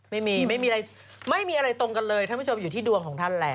ไม่มีไม่มีอะไรไม่มีอะไรตรงกันเลยท่านผู้ชมอยู่ที่ดวงของท่านแหละ